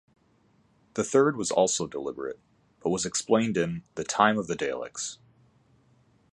The third was also deliberate, but was explained in "The Time of the Daleks".